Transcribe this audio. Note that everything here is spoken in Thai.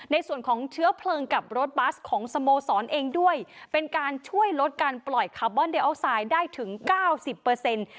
ในส่วนของเชื้อเพลิงกับรถบัสของสโมสรเองด้วยเป็นการช่วยลดการปล่อยคาร์บอนเดอัลไซด์ได้ถึงเก้าสิบเปอร์เซ็นต์